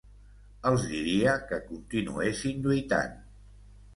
Els diria que continuessin lluitant.